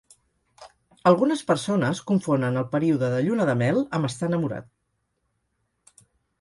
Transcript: Algunes persones confonen el període de lluna de mel amb estar enamorat.